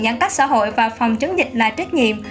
giãn cách xã hội và phòng chống dịch là trách nhiệm